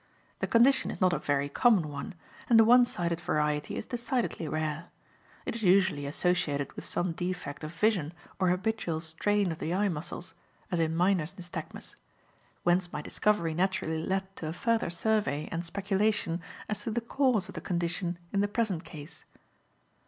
The condition is not a very common one, and the one sided variety is decidedly rare. It is usually associated with some defect of vision or habitual strain of the eye muscles, as in miners' nystagmus; whence my discovery naturally led to a further survey and speculation as to the cause of the condition in the present case.